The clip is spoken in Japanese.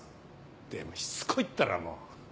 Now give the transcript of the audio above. ってしつこいったらもう。